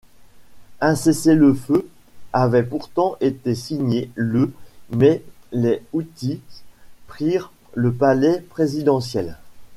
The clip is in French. Un cessez-le-feu avait pourtant été signé le mais les Houthis prirent le palais présidentiel.